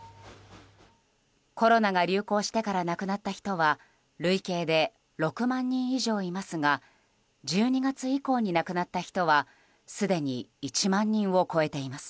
コロナが流行してから亡くなった人は累計で６万人以上いますが１２月以降に亡くなった人はすでに１万人を超えています。